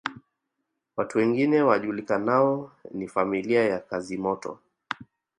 Watu wengine wajulikanao ni familia ya Kazimoto